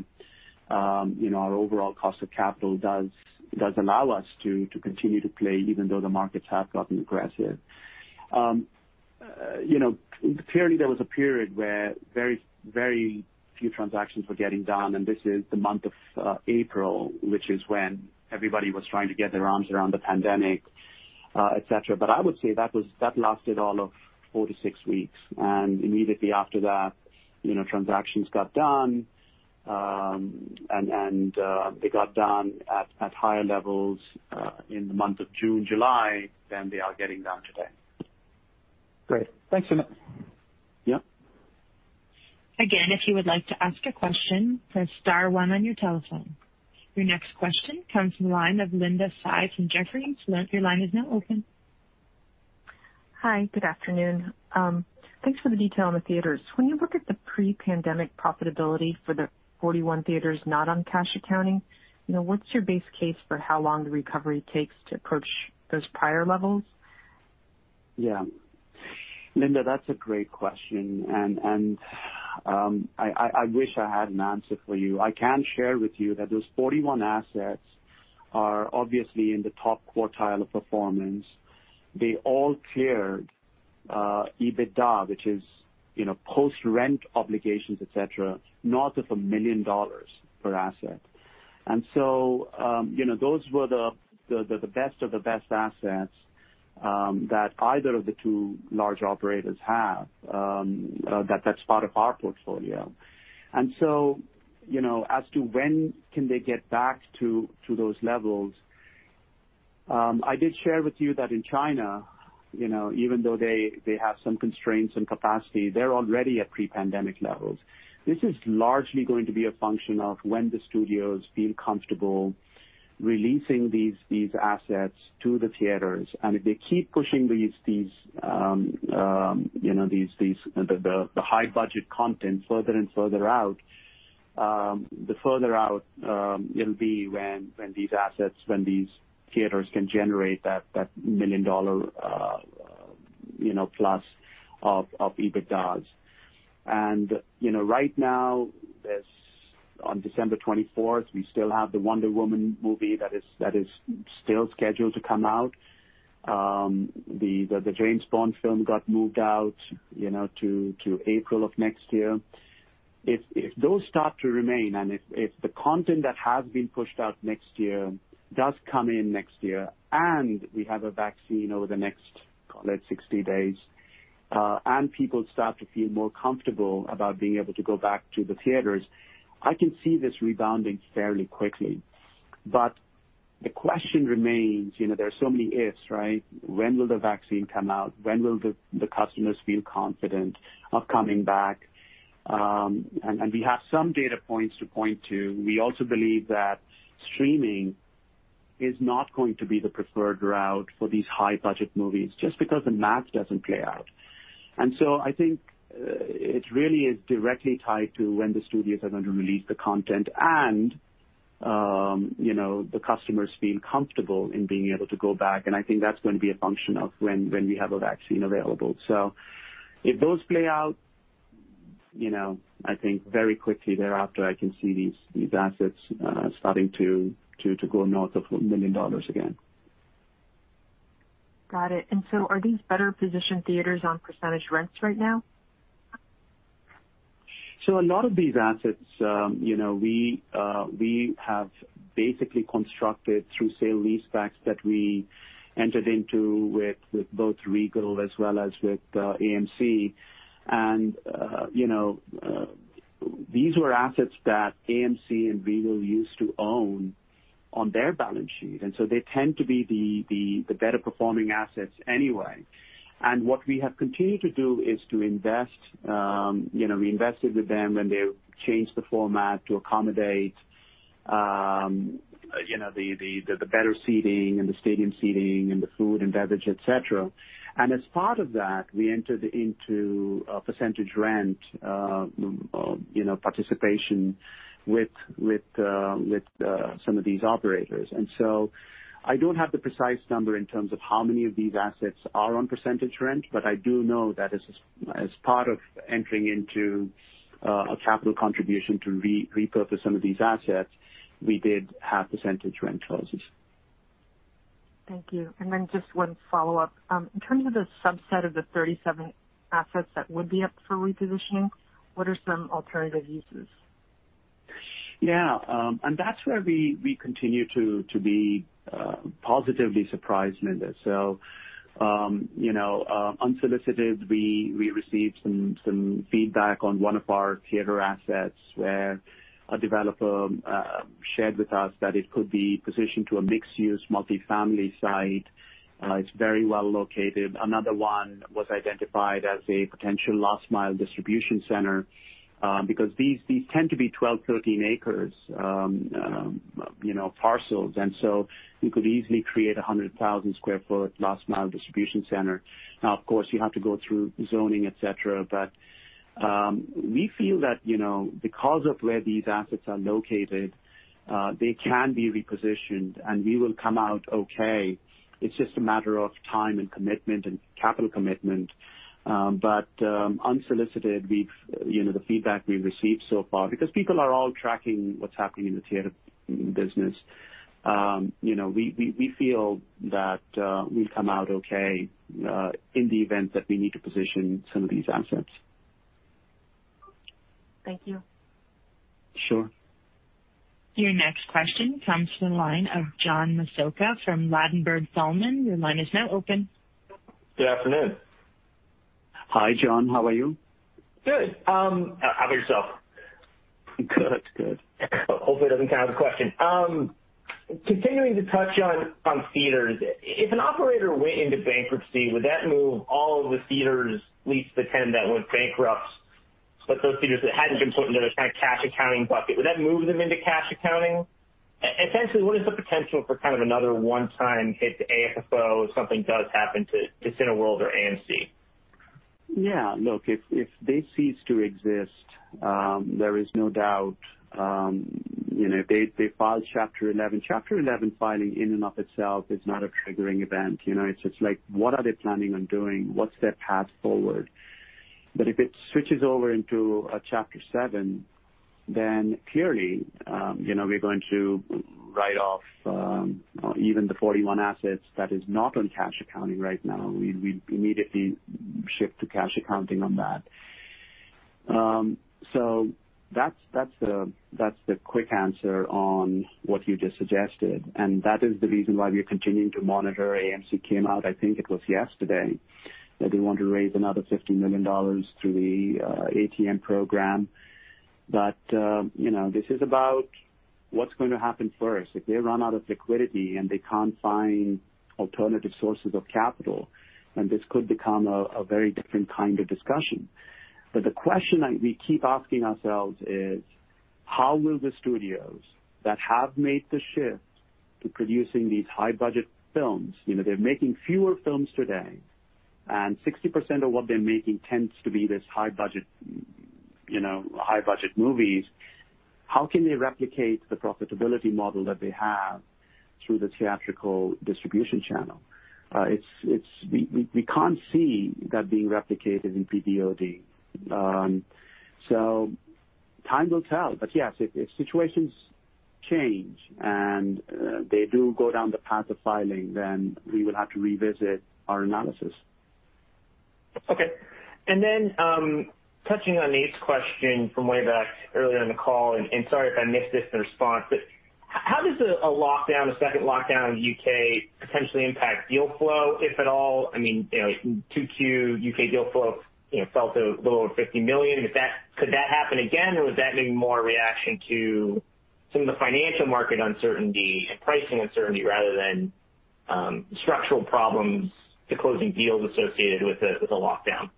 our overall cost of capital does allow us to continue to play even though the markets have gotten aggressive. Clearly, there was a period where very few transactions were getting done, and this is the month of April, which is when everybody was trying to get their arms around the pandemic, et cetera. I would say that lasted all of four to six weeks. Immediately after that, transactions got done. They got done at higher levels in the month of June, July, than they are getting done today. Great. Thanks so much. Yeah. Your next question comes from the line of Linda Tsai from Jefferies. Your line is now open. Hi. Good afternoon. Thanks for the detail on the theaters. When you look at the pre-pandemic profitability for the 41 theaters not on cash accounting, what's your base case for how long the recovery takes to approach those prior levels? Yeah. Linda, that's a great question. I wish I had an answer for you. I can share with you that those 41 assets are obviously in the top quartile of performance. They all cleared EBITDA, which is post-rent obligations, et cetera, north of $1 million per asset. Those were the best of the best assets that either of the two large operators have, that's part of our portfolio. As to when can they get back to those levels, I did share with you that in China, even though they have some constraints in capacity, they're already at pre-pandemic levels. This is largely going to be a function of when the studios feel comfortable releasing these assets to the theaters. If they keep pushing the high-budget content further and further out, the further out it'll be when these theaters can generate that $1 million+ of EBITDAs. Right now, on December 24th, we still have the "Wonder Woman" movie that is still scheduled to come out. The James Bond film got moved out to April of next year. If those start to remain, and if the content that has been pushed out next year does come in next year, and we have a vaccine over the next, call it 60 days, and people start to feel more comfortable about being able to go back to the theaters, I can see this rebounding fairly quickly. The question remains, there are so many ifs. When will the vaccine come out? When will the customers feel confident of coming back? We have some data points to point to. We also believe that streaming is not going to be the preferred route for these high-budget movies, just because the math doesn't play out. I think it really is directly tied to when the studios are going to release the content and the customers feel comfortable in being able to go back. I think that's going to be a function of when we have a vaccine available. If those play out, I think very quickly thereafter, I can see these assets starting to go north of $1 million again. Got it. Are these better-positioned theaters on percentage rents right now? A lot of these assets we have basically constructed through sale-leasebacks that we entered into with both Regal as well as with AMC. These were assets that AMC and Regal used to own on their balance sheet, and so they tend to be the better-performing assets anyway. What we have continued to do is to invest. We invested with them when they changed the format to accommodate the better seating and the stadium seating and the food and beverage, et cetera. As part of that, we entered into a percentage rent participation with some of these operators. I don't have the precise number in terms of how many of these assets are on percentage rent. I do know that as part of entering into a capital contribution to repurpose some of these assets, we did have percentage rent clauses. Thank you. Just one follow-up. In terms of the subset of the 37 assets that would be up for repositioning, what are some alternative uses? Yeah. That's where we continue to be positively surprised, Linda. Unsolicited, we received some feedback on one of our theater assets where a developer shared with us that it could be positioned to a mixed-use, multi-family site. It's very well located. Another one was identified as a potential last-mile distribution center. These tend to be 12, 13 acres parcels, and so you could easily create 100,000 sq ft last-mile distribution center. Now, of course, you have to go through zoning, et cetera. We feel that because of where these assets are located, they can be repositioned, and we will come out okay. It's just a matter of time and commitment and capital commitment. Unsolicited, the feedback we've received so far, because people are all tracking what's happening in the theatre business, we feel that we'll come out okay in the event that we need to position some of these assets. Thank you. Sure. Your next question comes from the line of John Massocca from Ladenburg Thalmann. Your line is now open. Good afternoon. Hi, John. How are you? Good. How about yourself? Good. Hopefully it doesn't count as a question. Continuing to touch on theaters, if an operator went into bankruptcy, would that move all of the theaters leased to the tenant that went bankrupt, but those theaters that hadn't been put into this kind of cash accounting bucket, would that move them into cash accounting? Essentially, what is the potential for kind of another one-time hit to AFFO if something does happen to Cineworld or AMC? Yeah. Look, if they cease to exist, there is no doubt. They filed Chapter 11. Chapter 11 filing in and of itself is not a triggering event. It's just like, what are they planning on doing? What's their path forward? If it switches over into a Chapter 7, then purely, we're going to write off even the 41 assets that is not on cash accounting right now. We'd immediately shift to cash accounting on that. That's the quick answer on what you just suggested, and that is the reason why we are continuing to monitor. AMC came out, I think it was yesterday, that they want to raise another $50 million through the ATM program. This is about what's going to happen first. If they run out of liquidity and they can't find alternative sources of capital, then this could become a very different kind of discussion. The question that we keep asking ourselves is how will the studios that have made the shift to producing these high-budget films. They're making fewer films today, and 60% of what they're making tends to be these high-budget movies. How can they replicate the profitability model that they have through the theatrical distribution channel? We can't see that being replicated in PVOD. Time will tell, but yes, if situations change and they do go down the path of filing, then we will have to revisit our analysis. Okay. Then, touching on Nate's question from way back earlier in the call, sorry if I missed this in the response, how does a lockdown, a second lockdown in the U.K. potentially impact deal flow, if at all? In 2Q, U.K. deal flow fell to a little over $50 million. Could that happen again, would that be more a reaction to some of the financial market uncertainty and pricing uncertainty rather than structural problems to closing deals associated with a lockdown?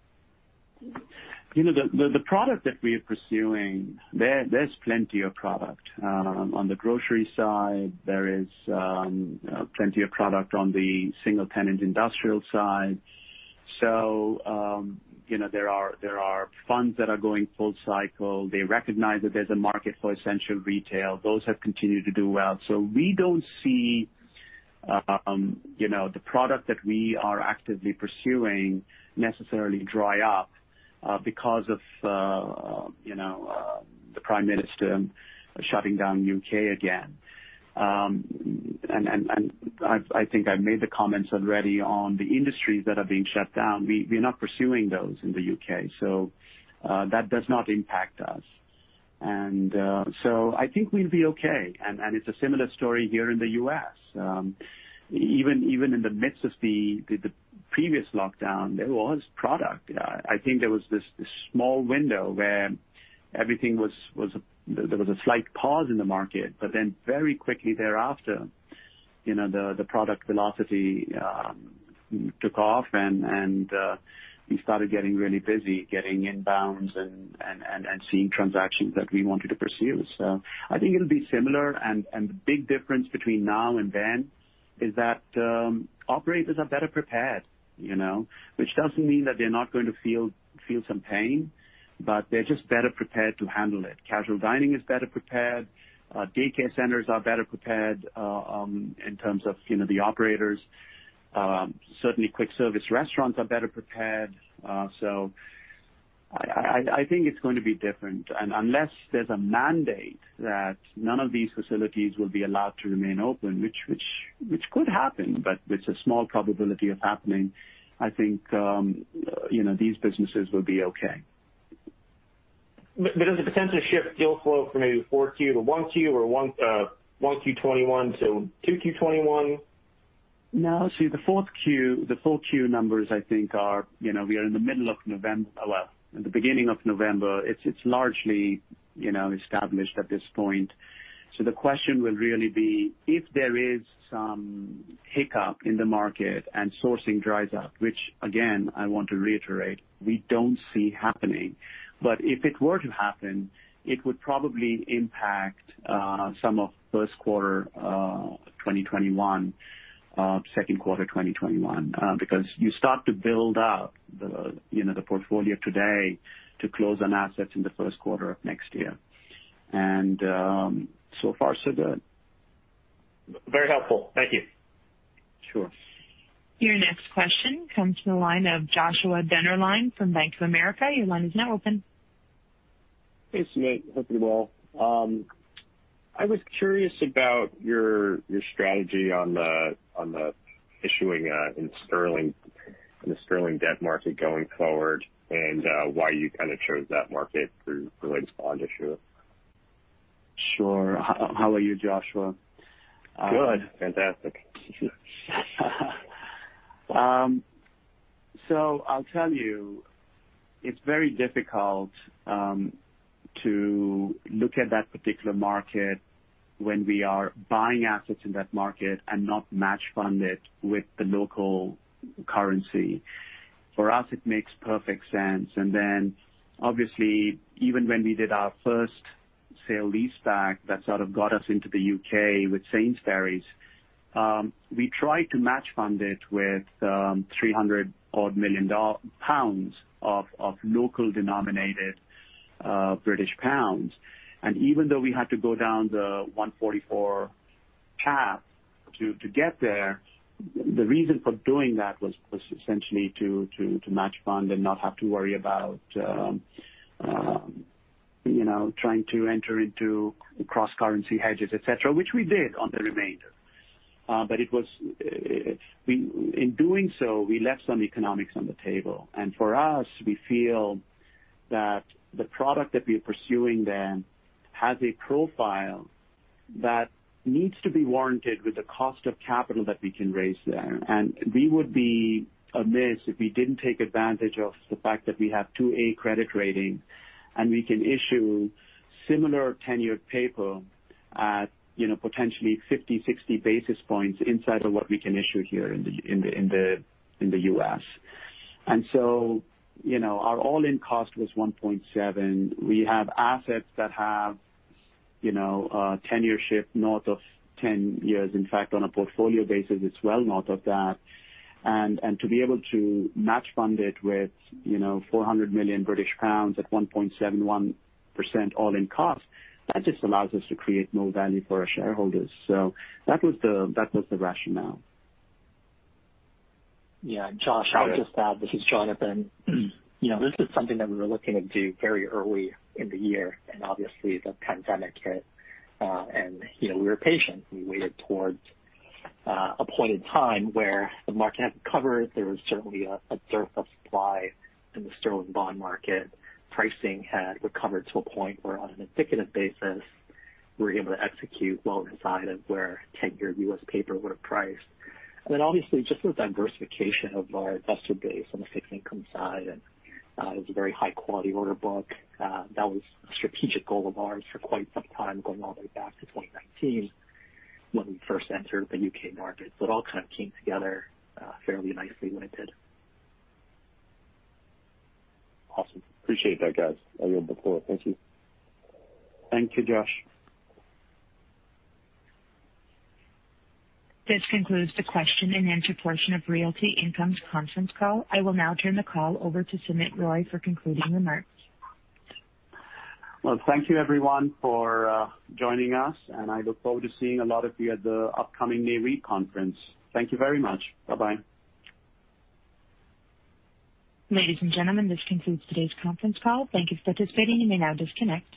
The product that we are pursuing, there's plenty of product. On the grocery side, there is plenty of product on the single-tenant industrial side. There are funds that are going full cycle. They recognize that there's a market for essential retail. Those have continued to do well. We don't see the product that we are actively pursuing necessarily dry up because of the prime minister shutting down U.K. again. I think I've made the comments already on the industries that are being shut down. We're not pursuing those in the U.K., so that does not impact us. I think we'll be okay, and it's a similar story here in the U.S. Even in the midst of the previous lockdown, there was product. I think there was this small window where there was a slight pause in the market, but then very quickly thereafter, the product velocity took off and we started getting really busy, getting inbounds and seeing transactions that we wanted to pursue. I think it'll be similar, and the big difference between now and then is that operators are better prepared. Which doesn't mean that they're not going to feel some pain, but they're just better prepared to handle it. Casual dining is better prepared. Daycare centers are better prepared in terms of the operators. Certainly quick-service restaurants are better prepared. I think it's going to be different. Unless there's a mandate that none of these facilities will be allowed to remain open, which could happen, but with a small probability of happening, I think these businesses will be okay. Does it potentially shift deal flow from maybe 4Q to 1Q or 1Q 2021 to 2Q 2021? No. See, the 4Q numbers, I think, we are in the middle of November. Well, in the beginning of November. It's largely established at this point. The question will really be if there is some hiccup in the market and sourcing dries up, which again, I want to reiterate, we don't see happening. If it were to happen, it would probably impact some of first quarter 2021, second quarter 2021. You start to build out the portfolio today to close on assets in the first quarter of next year. So far, so good. Very helpful. Thank you. Sure. Your next question comes from the line of Joshua Dennerlein from Bank of America. Your line is now open. Hey, Sumit. Hope you're well. I was curious about your strategy on the issuing in the sterling debt market going forward, and why you kind of chose that market for late bond issue. Sure. How are you, Joshua? Good. Fantastic. I'll tell you, it's very difficult to look at that particular market when we are buying assets in that market and not match fund it with the local currency. Obviously, even when we did our first sale-leaseback that sort of got us into the U.K. with Sainsbury's. We tried to match fund it with 300 odd million of local denominated British pounds. Even though we had to go down the 144 cap to get there, the reason for doing that was essentially to match fund and not have to worry about trying to enter into cross-currency hedges, et cetera, which we did on the remainder. In doing so, we left some economics on the table. For us, we feel that the product that we're pursuing then has a profile that needs to be warranted with the cost of capital that we can raise there. We would be amiss if we didn't take advantage of the fact that we have two A credit rating, and we can issue similar tenured paper at potentially 50, 60 basis points inside of what we can issue here in the U.S. Our all-in cost was 1.7%. We have assets that have tenure north of 10 years. In fact, on a portfolio basis, it's well north of that. To be able to match fund it with 400 million British pounds at 1.71% all-in cost, that just allows us to create more value for our shareholders. That was the rationale. Yeah, Josh, I would just add, this is Jonathan. This is something that we were looking to do very early in the year, and obviously the pandemic hit. We were patient. We waited towards a point in time where the market had recovered. There was certainly a dearth of supply in the sterling bond market. Pricing had recovered to a point where on an indicative basis, we were able to execute well inside of where 10-year U.S. paper would have priced. Then obviously just the diversification of our investor base on the fixed income side, and it was a very high-quality order book. That was a strategic goal of ours for quite some time, going all the way back to 2019 when we first entered the U.K. market. It all kind of came together fairly nicely when it did. Awesome. Appreciate that, guys. I yield the floor. Thank you. Thank you, Josh. This concludes the question-and-answer portion of Realty Income's conference call. I will now turn the call over to Sumit Roy for concluding remarks. Thank you everyone for joining us, and I look forward to seeing a lot of you at the upcoming Nareit conference. Thank you very much. Bye-bye. Ladies and gentlemen, this concludes today's conference call. Thank you for participating. You may now disconnect.